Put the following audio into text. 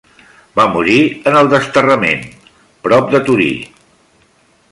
Va morir en el desterrament, prop de Torí.